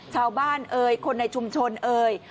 ชาวบ้านเอ่ยคนในชุมชนเอ่ย